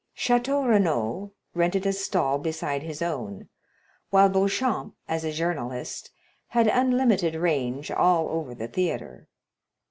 Château Renaud rented a stall beside his own, while Beauchamp, as a journalist, had unlimited range all over the theatre.